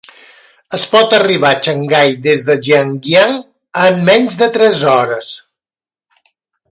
Es pot arribar a Xangai des de Jiangyan en menys de tres hores.